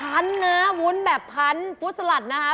๑๐พันธุ์นะวุ้นแบบพันธุ์ฟุตสลัดนะครับ